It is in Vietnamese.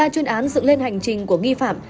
ba chuyên án dựng lên hành trình của nghi phạm